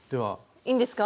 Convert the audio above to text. いいんですか？